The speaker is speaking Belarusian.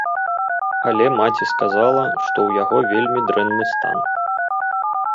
Але маці сказала, што ў яго вельмі дрэнны стан.